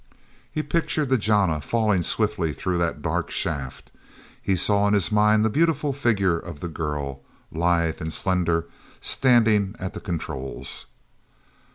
He pictured the jana falling swiftly through that dark shaft. He saw in his mind the beautiful figure of the girl, lithe and slender, standing at the controls.